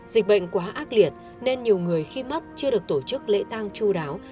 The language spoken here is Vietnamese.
dịch bệnh quá ác liệt nên nhiều người khi mắt chưa được tổ chức lễ tang chú đáo